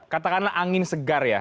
katakanlah angin segar ya